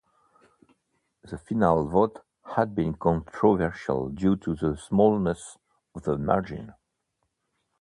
The finale vote had been controversial due to the smallness of the margin.